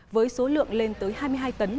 với số lượng lên tới hai mươi hai tấn